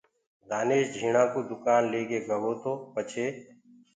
دآنيش جھيٚڻآ ڪو دُڪآن ليڪي گوو تو پڇي